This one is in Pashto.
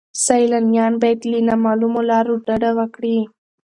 سیلانیان باید له نامعلومو لارو ډډه وکړي.